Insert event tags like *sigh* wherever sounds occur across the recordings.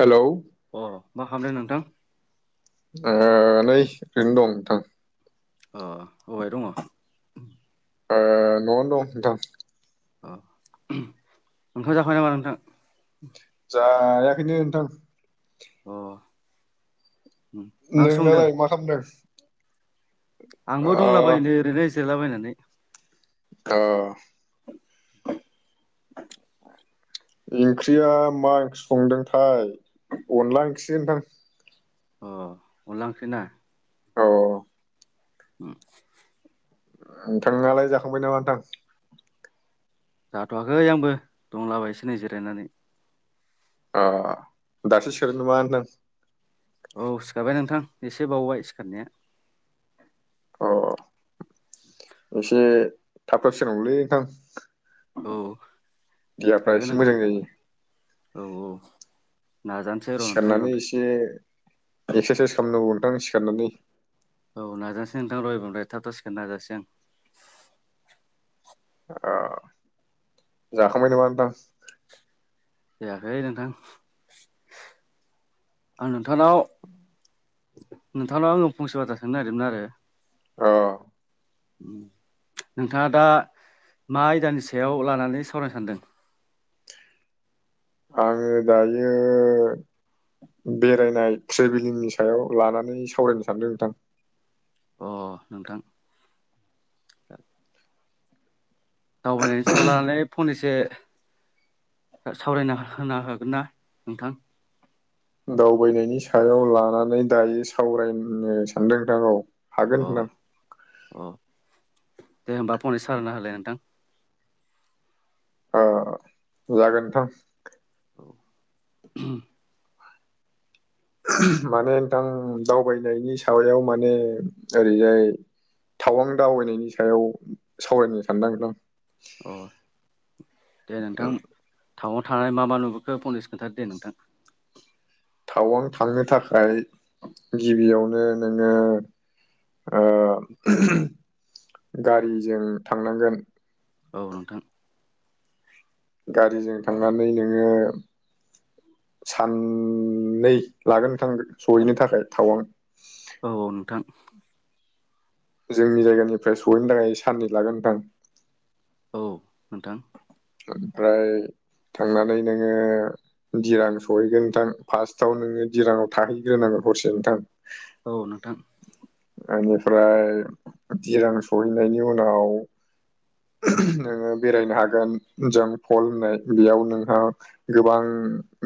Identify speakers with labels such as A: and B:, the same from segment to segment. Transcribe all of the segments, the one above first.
A: Hello
B: अ मा खामदों नोंथां?
A: नै ओरैनो दं नोंथां।
B: अ अबेहाय दङ?
A: ओ न'आवनो दं नोंथां।
B: अ *unintelligible* नोंथां ओंखाम जाखांबाय नामा नोंथां?
A: जायाखैनो नोंथां।
B: अ उम। मा ओंख्रि संदों
A: नोंनालाय मा खामदों?
B: आंबो दंलाबायनो ओरैनो जेरायलाबायनानै
A: अ
B: *inaudible*
A: ओंख्रिया मा ओंख्रि संदोंथाय अनला ओंखि नोंथां
B: अ अनला ओंख्रि ना?
A: अ
B: *unintelligible*
A: नोंथाङालाय जाखांबाय नामा नोंथां?
B: जाथ'वाखै आंबो दंलाबाय एसे नै जिरायनानै।
A: अ दासो सिखारदों नामा नोंथां?
B: औ सिखारबाय नोंथां एसे बावबाय सिखारनाया।
A: अ एसे थाब थाब *unintelligible* नोंथां
B: औ
A: देहाफ्रा
B: सिखारगोन
A: एसे
B: नोंथां
A: मोजां जायो।
B: औ औ नाजा
A: सिखारनानै एसे एक्सारसाइस खालामनांगौ नोंथां सिखारनानै
B: औ नाजानोसै नोंथां एबारनिफ्राय थाब थाब सिखारनो नाजासै आं।
A: ओ जाखांबाय नाङा नोंथां?
B: जायाखै नोंथां आं नोंथांनाव नोंथांनाव आङो फंसे बाथा थांनो नागिरदोंमोन आरो
A: अ
B: नोंथाङा दा मा आयदानि सायाव लानानै सावरायनो सान्दों?
A: आङो दायो बेरायनाय ट्रेभेलिंनि सायाव लानानै सावरायनो सानदों नोंथां।
B: अ नोंथां दावबायनायनि सायाव लानानै फंनैसो सा सावरायना होना हागोन ना नोंथां?
A: दावबायनायनि सायाव लानानै दायो सावरायनो सानदों दा गाव।
B: अ अ दे होमबा फंनैसो सावरायना होलाय नोंथां।
A: ओ जागोन नोंथां।
B: औ *unintelligible*
A: *unintelligible* माने नोंथां दावबायनायनि साबायाव माने ओरैजाय थावां दावबायनायनि सायाव सावरायनो सानदों नोंथां।
B: अ दे नोंथां टावांआव थांनानै मा मा नुबोखो फंनैसो खोन्थादो दे नोंथां।
A: टावां थांनो थाखाय गिबियावनो नोङो ओ *unintelligible* गारिजों थांनांगोन।
B: औ नोंथां।
A: गारिजों थांनानै नोङो साननै लागोन नोंथां सहैनो थाखाय थावां।
B: औ औ नोंथां।
A: जोंनि जायगानिफ्राय सहैनो थाखाय साननै लागोन नोंथां।
B: औ नोंथां।
A: ओमफ्राय थांनानै नोङो दिरां सहैगोन नोंथां फार्स्टावनो नोङो दिराङाव थाहैग्रोनांगो हरसे नोंथां।
B: औ नोंथां।
A: ओनिफ्राय दिरां सहैनायनि उनाव *unintelligible* नोङो बेरायनो हागोन जों फल होननाय बेयाव नोंहा गोबां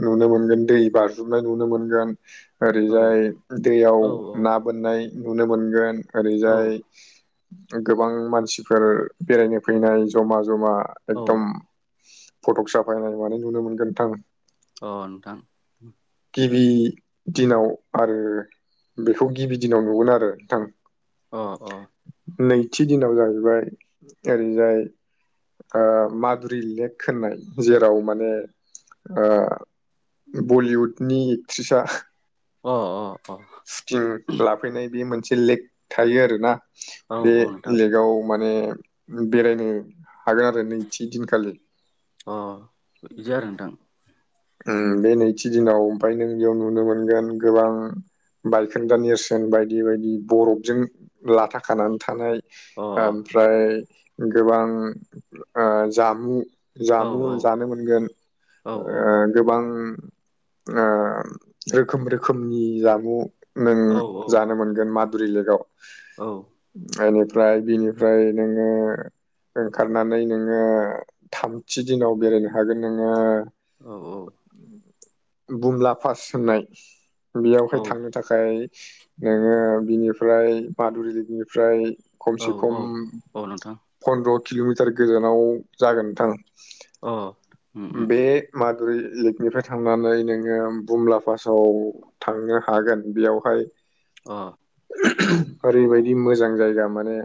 A: नुनो मोनगोन दै बारज्रुमनाय नुनो मोनगोन।
B: औ
A: ओरैजाय दैयाव
B: औ
A: ना बोननाय नुनो मोनगोन
B: औ
A: ओरैजाय गोबां मानसिफोर बेरायनो फैनाय जमा जमा
B: औ
A: एकदम। फट'क साफायनाय मानाय नुनो मोनगोन नोंथां।
B: अ नोंथां।
A: गिबि दिनाव आरो बेखौ गिबि दिनाव नुगोन आरो नोंथां।
B: अ अ।
A: नैथि दिनाव जाहैबाय ओरैजाय ओ मादुरि लेक होननाय जेराव माने ओ बलिउडनि एक्ट्रिसा *unintelligible*
B: अ अ अ।
A: सुटिं लाफैनाय बे मोनसे लेक थायो आरोना।
B: औ
A: बे
B: औ नोंथां
A: लेकाव माने बेरायनो हागोन आरो नैथि दिनखालि।
B: अ बिदि आरो नोंथां।
A: उम बे नैथि दिनाव ओमफाय नों बेयाव नुनो मोनगोन गोबां बायखोन्दा नेरसोन बायदि बायदि बरफजों लाथा खानानै थानाय
B: अ
A: ओमफ्राय गोबां ओ जामु।
B: अ
A: जामु
B: औ
A: जानो मोनगोन।
B: औ औ।
A: ओ गोबां ओम रोखोम रोखोमनि जामु नों
B: औ
A: जानो
B: औ
A: मोनगोन मधुरि लेकाव।
B: औ।
A: एनिफ्राय बिनिफ्राय नोङो ओंखारनानै नोङो थामथि दिनाव बेरायनो हागोन नोङो।
B: औ औ।
A: उम बुमला पास होननाय बेयावहाय थांनो
B: औ
A: थाख खाय नोङो बिनिफ्राय मादुरि लिगनिफ्राय खमसे
B: औ
A: खम
B: औ औ नोंथां
A: पन्द्र' किल'मिटार गोजानाव जागोन नोंथां।
B: अ। उम उम
A: बे मादुरि लेकनिफ्राय थांनानै नोङो बुमला पासाव थांनो हागोन बेयावहाय
B: अ औ
A: ओरैबायदि जि मोजां जायगा माने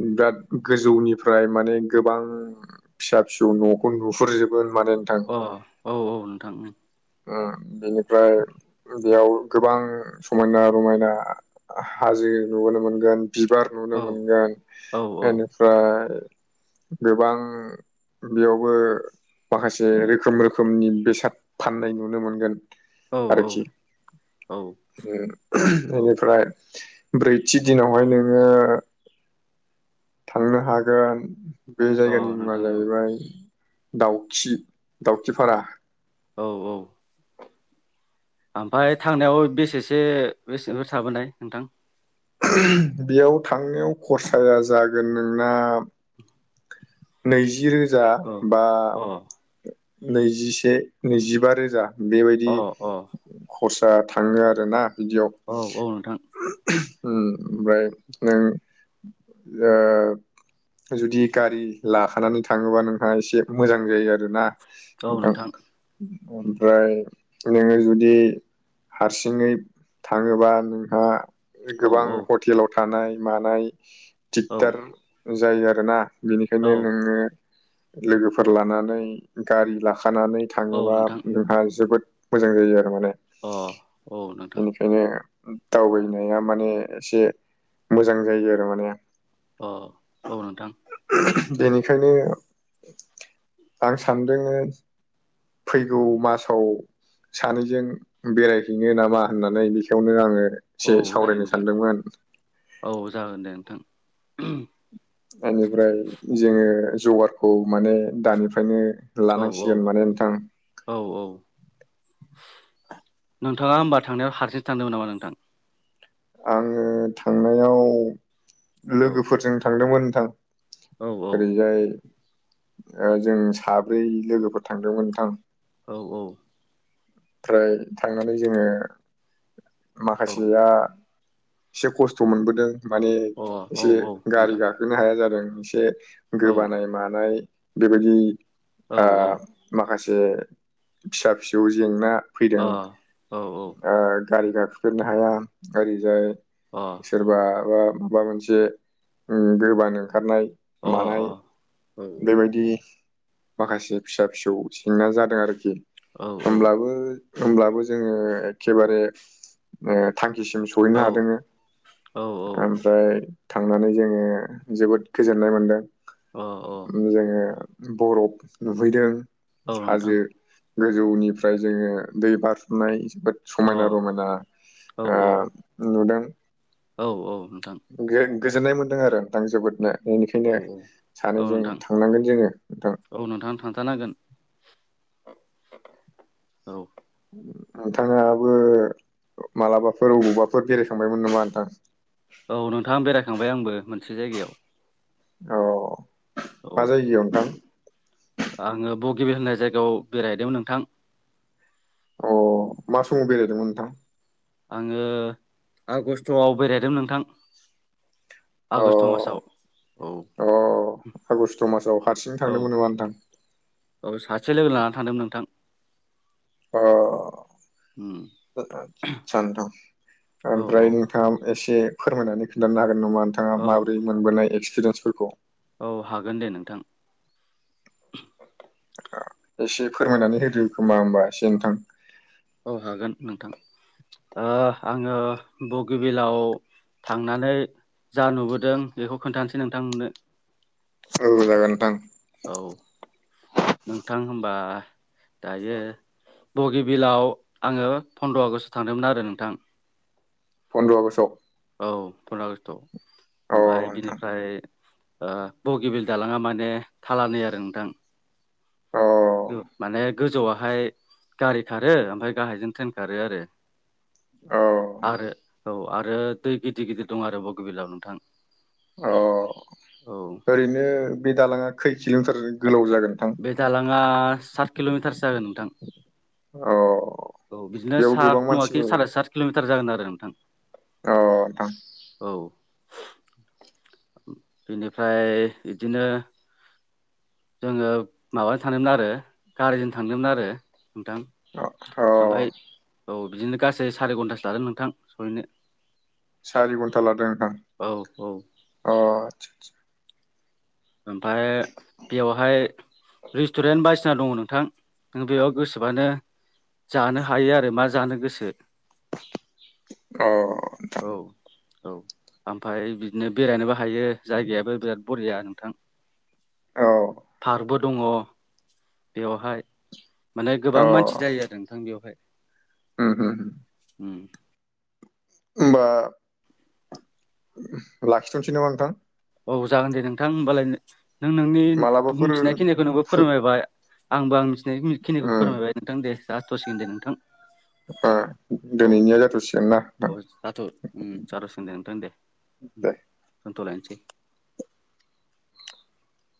A: बिराद गोजौनिफ्राय माने गोबां फिसा फिसौ न'खौ नुहुरजोब गोन माने
B: अ औ औ नोंथां ओम।
A: बिनिफ्राय बेयाव गोबां समायना रमायना हाजो नुबोनो मोनगोन। बिबार नुनो
B: औ
A: मोनगोन
B: औ
A: इनि फ्राय गोबां बेयावबो माखासे रोखोम रोखोमनि बेसाद फाननाय नुनो मोनगोन।
B: औ
A: आरोखि
B: औ औ
A: बेनिफ्राय ब्रैथि दिनावहाय नोङो थांनो हागोन बे
B: अ
A: जायगानि मुङा
B: नोंथां औ
A: जाहैबाय दाउखि दाउखि फारा।
B: औ औ ओमफ्राय थांनायाव बेसेसो बेसेफोर थाबोनाय नोंथां?
A: बेयाव थांनायाव खरसाया जागोन नोंना नैजि रोजा
B: औ
A: बा
B: अ
A: नैजिसे नैजिबा रोजा। बेबायदि
B: अ अ
A: खरसा थाङो आरोना बिदियाव।
B: औ औ नोंथां।
A: ओमफ्राय नों ओ जुदि गारि लाखानानै थाङोबा नोंहा एसे मोजां जायो आरो ना।
B: औ नोंथां।
A: ओमफ्राय नोङो जुदि हारसिङै थाङोबा नोंहा
B: औ
A: गोबां
B: औ
A: हटेलाव थानाय मानाय
B: औ
A: दिगदार। जायो आरोना बेनिखायनो
B: औ
A: नोङो लोगोफोर लानानै गारि लाखानानै
B: औ
A: थाङोबा
B: नोंथां
A: नोंहा जोबोद मोजां जायो आरो माने
B: अ औ नोंथां
A: बेनिखायनो दावबायनाया माने एसे मोजां जायो आरो माने।
B: अ औ नोंथां।
A: बेनिखायनो आं सानदोङो फैगौ मासाव सानैजों बेरायहैनो नामा होननानै बेखौयावनो आङो
B: औ
A: एसे
B: जायो
A: सावरायनो
B: नोंथां
A: सानदोंमोन
B: औ जागोन दे नोंथां ओहम।
A: बेनिफ्राय जोङो जगारखौ माने दानिफ्रायनो
B: औ औ
A: लानांसिगोन माने नोंथां।
B: औ औ नोंथाङा होमबा थांनायाव हारसिं थांदोंमोन नामा नोंथां?
A: आङो थांनायाव
B: औ
A: लोगोफोरजों थांदोंमोन नोंथां।
B: औ औ
A: ओरैजाय जों साब्रै लोगोफोर थांदोंमोन नोंथां।
B: औ औ
A: ओफ्राय थांनानै जोङो
B: औ
A: माखासेया एसे खस्थ' मोनबोदों माने
B: अ औ
A: एसे
B: औ
A: गारि
B: नोंथां
A: गाख गोनो हाया जादों एसे
B: औ
A: गोबानाय मानाय बेबायदि
B: औ औ
A: माखासे फिसा फिसौ जेंना
B: अ
A: फैदों
B: औ
A: गारि गाखोफेरनो हाया ओरैजाय
B: अ
A: सोरबाा माबा मोनसे गोबानो ओंखारनाय।
B: अ औ
A: मानाय
B: औ
A: बेबायदि माखासे फिसा फिसौ जेंना जादों आरोखि
B: औ
A: होमब्लाबो होमब्लाबो जोंङो एखेबारे ओ थांखिसिम सहैनो हादोंङो
B: औ
A: ओम फ्राय थांनानै जोंङो जोबोद गोजोननाय मोनदों।
B: अ अ
A: उम जोंङो बरफ नुहैदों
B: औ नोंथां
A: हाजो गोजौनि फ्राय जोंङो दै बारजुमनाय जोबोद
B: अ
A: समायना रमायना
B: औ
A: ओ नुदों
B: औ औ नोंथां।
A: गो-गोजोननाय मोन्दों आरो नोंथां जोबोदनो।
B: औ
A: बेनिखायनो
B: औ
A: सानैजों
B: नोंथां
A: थांनांगोन जोंङो नोंथां।
B: औ नोंथां थांथानांगोन औ
A: नोंथांङाबो मालाबाफोर अबावबाफोर बेरायखांबायमोन नामा नोंथां?
B: औ नोंथां बेरायखांबाय आंबो मोनसे जायगायाव।
A: औ मा जायगायाव नोंथां?
B: आंङो बगिबिल होननाय जायगायाव बेरायदोंमोन नोंथां।
A: अ मा समाव बेरायदोंमोन नोंथां?
B: आंङो आगस्टआव बेरायदों नोंथां।
A: अ
B: आगष्ट मासाव औ
A: अ आगस्ट' मासाव हारसिं
B: औ
A: थांदोंमोन नामा नोंथां?
B: औ सासे लोगो लानानानै थांदोंमोन नोंथां।
A: अह आ
B: उम
A: ओ ओ सा नोंथां
B: औ औ
A: ओमफ्राय आम एसे फोरमायनानै खोन्थानो हागोन नामा
B: औ
A: नोंथांङा माबोरै मोनबोनाय एक्सपिरियेन्सफोरखौ?
B: औ हागोन दे नोंथां।
A: एसे फोरमायनानै होदो खोमा होनोमबा एसे नोंथां
B: औ हागोन नोंथां ओ आंङो बगिबिलाव थांनानै जा नुबोदों बेखौ खोन्थानोसै नोंथां नोंनो
A: औ जागोन नोंथां।
B: औ नोंथां होमबा दायो बगिबिलाव आंङो फन्द्र आगष्टआव थांदोंमोन आरो नोंथां।
A: फन्द्र' आगषआव
B: औ फन्द्र' आगषटआव
A: अ
B: ओमफ्राय
A: नोंथां
B: बिनिफ्राय ओ बगिबिल दालांङा माने थालानै आरो नोंथां
A: अ
B: औ माने गोजौआवहाय गारि खारो ओमफ्राय गाहायजों ट्रेन खारो आरो।
A: औ
B: आरो औ आरो दै गिदिर गिदिर दं आरो बगेबिलाव नोंथां।
A: अ
B: औ
A: ओरैनो बे दालांङा खै किल'मिटार गोलाव जागोन नोंथां?
B: बे दालांङा सात किल'मिटारसो जागोन नोंथां।
A: अ
B: औ बिदिनो
A: बेयाव
B: सात
A: गोबां
B: नंङाखि
A: मानसिफोर
B: साराय सात किल'मिटार जागोन आरो नोंथां।
A: अ नोंथां।
B: औ इनिफ्राय इदिनो जोंङो माबाजों थांदोंमोन आरो गारिजों थांदोंमोन आरो नोंथां।
A: अ अ
B: ओमफ्राय औ बिदिनो गासै साराय घन्टासो लादों नोंथां सहैनो
A: सारि घन्टा लादों नोंथां
B: औ औ
A: अ' आदसा आदसा
B: ओमफाय बेवहाय रेस्टुरेन्ट बायदिसिना दंङ नोंथां नों बेयाव गोसोबानो जानो हायो आरो मा जानो गोसो
A: अ
B: औ औ ओमफ्राय बिदिनो बेरायनोबो हायो जायगायाबो बिराद बरिया नों
A: औ
B: पार्कबो दङ बेयावहाय माने
A: अ
B: गोबां मानसि जायो आरो नोंथां बेवहाय।
A: होम होम
B: औ
A: होमबा लाखिथ'नोसै नामा नोंथां?
B: औ जागोन दे नोंथां हबालाय नों नोंनि मिथिनायखिनिखौ नोंबो
A: मालाबाफोर
B: फोरमायबाय आंबो आं मिथिनायखिनिखौ
A: ओम
B: फोरमायबाय नोंथां दे जास्थ'सिगोन दे नोंथां। औ
A: दिनैनिया जाथ'सिगोन
B: औ
A: ना?
B: जाथ' उम जाथ'सिगोन दे नोंथां दे
A: दे।
B: दोनथ'लायनोसै। *inaudible*